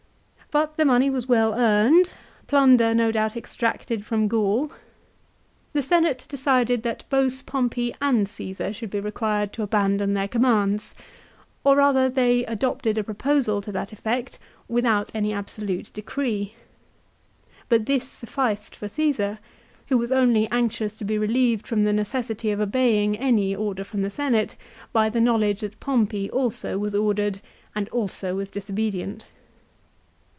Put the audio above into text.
But the money was well earned, plunder no doubt extracted from Gaul. The Senate decided that both Pompey and Caesar should be required to abandon their commands ; or rather they adopted a proposal to that effect without any absolute decree. But this sufficed for Caesar, who was only anxious to be relieved from the necessity of obeying any order from the Senate by the knowledge that Pompey also was ordered and also was disobedient.